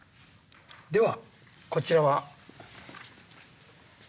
ではこちらは。